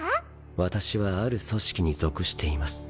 私はある組織に属しています。